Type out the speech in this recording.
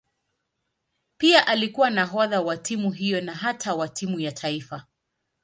Pia alikuwa nahodha wa timu hiyo na hata wa timu ya taifa.